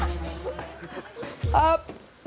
ครับ